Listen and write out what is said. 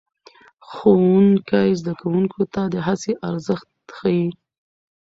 ښوونکی زده کوونکو ته د هڅې ارزښت ښيي